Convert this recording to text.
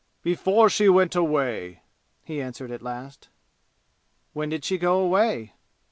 "Before she went away," he answered at last. "When did she go away?"